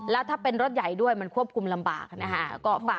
แล้วถ้าเป็นรถใหญ่ด้วยมันควบคุมลำบากนะฮะ